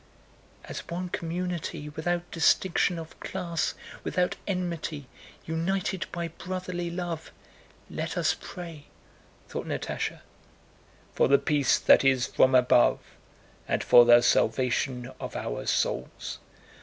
"As one community, without distinction of class, without enmity, united by brotherly love—let us pray!" thought Natásha. "For the peace that is from above, and for the salvation of our souls."